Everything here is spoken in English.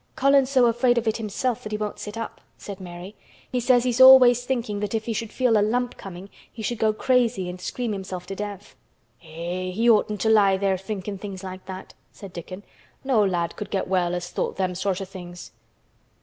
"Colin's so afraid of it himself that he won't sit up," said Mary. "He says he's always thinking that if he should feel a lump coming he should go crazy and scream himself to death." "Eh! he oughtn't to lie there thinkin' things like that," said Dickon. "No lad could get well as thought them sort o' things."